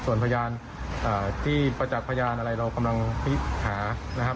ส่วนพยานที่ประจักษ์พยานอะไรเรากำลังหานะครับ